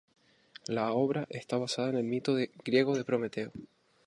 La obra está basada en el mito griego de Prometeo.